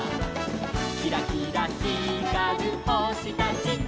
「キラキラひかるほしたちと」